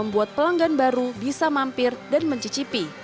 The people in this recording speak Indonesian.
membuat pelanggan baru bisa mampir dan mencicipi